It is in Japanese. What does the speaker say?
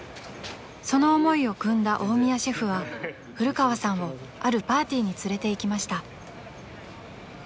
［その思いをくんだ大宮シェフは古川さんをあるパーティーに連れていきました］